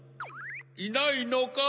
いないのか？